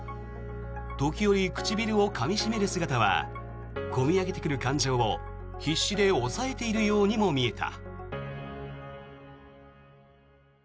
時折、唇をかみしめる姿は込み上げてくる感情を必死で抑えているようにも見えた。